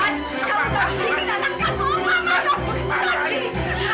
kamu takut ini kena anak kasur ma